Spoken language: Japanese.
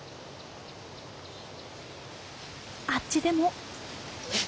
あっちでも。